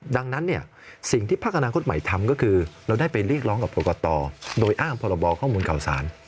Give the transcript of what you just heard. ดังนั้นเนี่ยสิ่งที่พักอนาคตใหม่ทำก็คือเราได้ไปเรียกร้องกับกรกตโดยอ้างพรบข้อมูลข่าวสาร